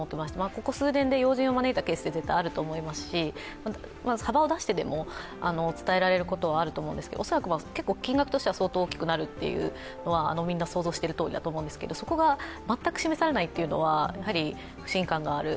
ここ数年で要人を招いたケースは絶対あると思いますし、幅を出してでも、伝えられることはあると思うので恐らく結構金額としては相当大きくなるというのはみんな想像しているとおりだと思うんですがそこが全く示されないというのは不信感がある。